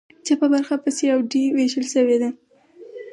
چپه برخه په سي او ډي ویشل شوې ده.